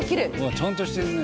ちゃんとしてるね。